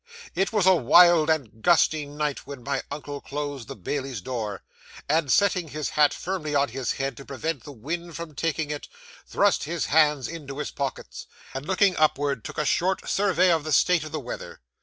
'It was a wild, gusty night when my uncle closed the bailie's door, and settling his hat firmly on his head to prevent the wind from taking it, thrust his hands into his pockets, and looking upward, took a short survey of the state of the weather.